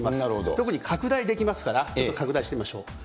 特に拡大できますから、拡大してみましょう。